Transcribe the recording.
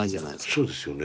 そうですよね。